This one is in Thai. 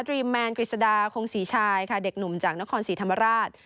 รีมแมนกฤษฎาคงศรีชายค่ะเด็กหนุ่มจากนครศรีธรรมราช